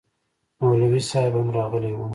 مولوي صاحب هم راغلی و